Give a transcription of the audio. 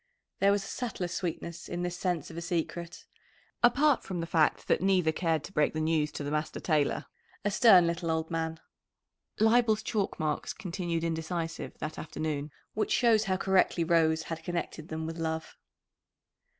There was a subtler sweetness in this sense of a secret, apart from the fact that neither cared to break the news to the master tailor a stern little old man. Leibel's chalk marks continued indecisive that afternoon; which shows how correctly Rose had connected them with love.